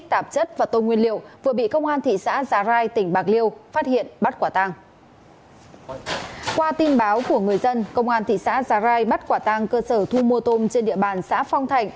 thị xã già rai bắt quả tăng cơ sở thu mua tôm trên địa bàn xã phong thạnh